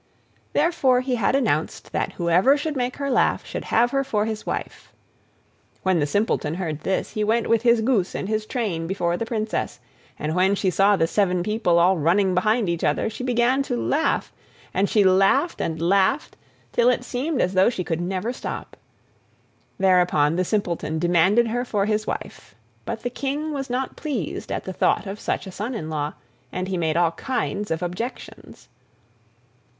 Therefore he had announced that whoever should make her laugh should have her for his wife. When the Simpleton heard this he went with his goose and his train before the Princess, and when she saw the seven people all running behind each other, she began to laugh, and she laughed and laughed till it seemed as though she could never stop. Thereupon the Simpleton demanded her for his wife, but the King was not pleased at the thought of such a son in law, and he made all kinds of objections.